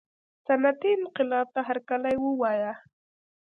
صنعتي انقلاب ته هرکلی ووایه.